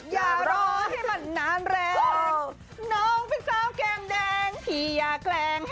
อย่ารอให้มันน้ำแรง